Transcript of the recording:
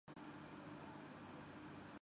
Professor Roland Clift کے موجدوں میں شامل ہیں۔